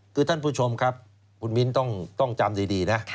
คือท่านผู้ชมครับคุณมิ้นต้องจำดีนะ